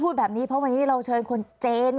รัฐบาลนี้ใช้วิธีปล่อยให้จนมา๔ปีปีที่๕ค่อยมาแจกเงิน